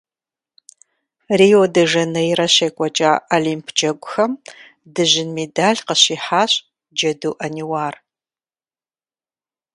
Рио-де-Жанейрэ щекӀуэкӀа Олимп Джэгухэм дыжьын медаль къыщихьащ Джэду Ӏэниуар.